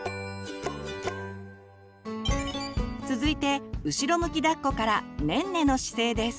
続いて後ろ向きだっこからねんねの姿勢です。